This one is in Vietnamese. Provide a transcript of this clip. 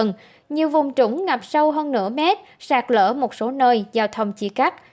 nhiều vùng trũng ngập sâu hơn nửa mét sạt lỡ một số nơi giao thông chỉ cắt